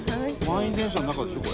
「満員電車の中でしょ？